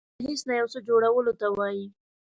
دا له هیڅ نه یو څه جوړولو ته وایي.